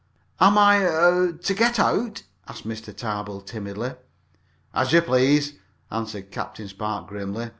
"Am I er to get out?" asked Mr. Tarbill timidly. "As you please," answered Captain Spark, grimly.